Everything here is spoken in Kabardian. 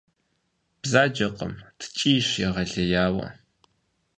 Бзаджэкъым, ткӀийщ егъэлеяуэ.